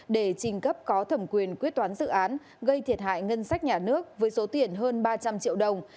để trình cấp có thẩm quyền quyết toán dự án gây thiệt hại ngân sách nhà nước với số tiền hơn ba trăm linh triệu đồng